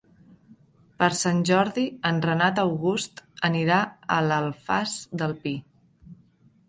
Per Sant Jordi en Renat August anirà a l'Alfàs del Pi.